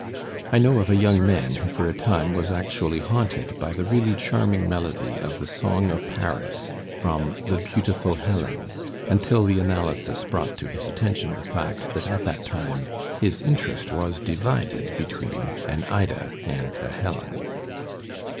I know of a young man who for a time was actually haunted by the really charming melody of the song of Paris, from The Beautiful Helen, until the analysis brought to his attention the fact that at that time his interest was divided between an Ida and a Helen.